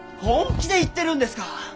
本気で言ってるんですか！？